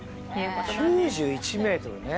９１ｍね。